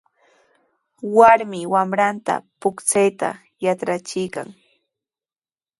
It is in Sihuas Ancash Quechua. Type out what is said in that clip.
Warmi wamranta puchkayta yatrachiykan.